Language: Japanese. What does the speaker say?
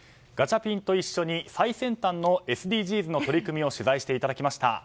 ガチャピンと一緒に最先端のＳＤＧｓの取り組みを取材していただきました。